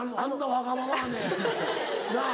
わがまま姉なぁ。